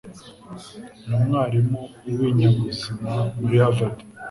Ni umwarimu w’ibinyabuzima muri Harvard.